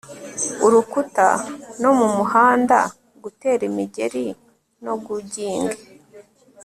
urukuta no mumuhanda gutera imigeri no-gouging